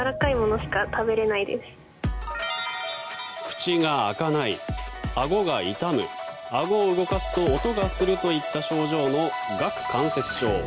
口が開かないあごが痛むあごを動かすと音がするといった症状の顎関節症。